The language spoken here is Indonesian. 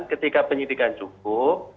ketika penyidikan cukup